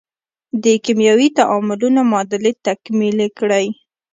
د کیمیاوي تعاملونو معادلې تکمیلې کړئ.